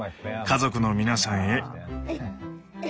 「家族の皆さんへ」。